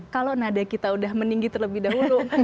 kalau nada kita udah meninggi terlebih dahulu